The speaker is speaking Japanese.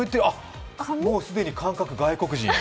もう既に感覚、外国人。